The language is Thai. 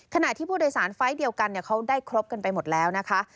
ขณะที่ผู้โดยสารไฟล์เดียวกันเขาได้ครบกันไปหมดแล้วนะคะ